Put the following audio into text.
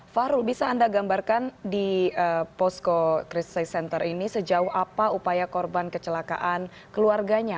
fahrul bisa anda gambarkan di posko crisis center ini sejauh apa upaya korban kecelakaan keluarganya